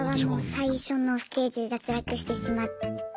最初のステージで脱落してしまって。